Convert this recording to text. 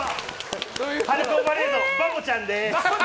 春高バレーのバボちゃんです！